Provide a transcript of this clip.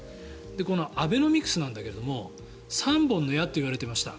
このアベノミクスなんですけど３本の矢といわれていました。